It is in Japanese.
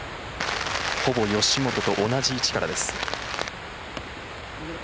ほぼ、吉本と同じ位置からです。